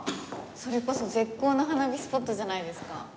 それこそ絶好の花火スポットじゃないですか。